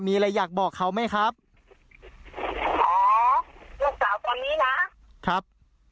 มีอะไรอยากบอกเขาไหมครับอ๋อลูกสาวตอนนี้นะครับ